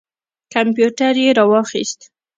کمپیوټر یې را واخیست.